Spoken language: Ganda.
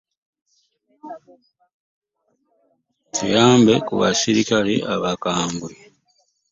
Tuyambe ku baserikale abakambwe.